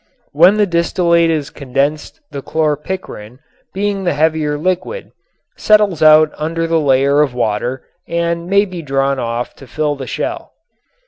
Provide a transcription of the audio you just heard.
When the distillate is condensed the chlorpicrin, being the heavier liquid, settles out under the layer of water and may be drawn off to fill the shell.